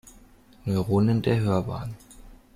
Neuronen der Hörbahn.